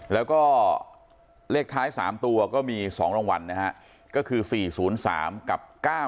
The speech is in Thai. แล้วก็เลขท้าย๓ตัวก็มี๒รางวัลนะฮะก็คือ๔๐๓กับ๙๕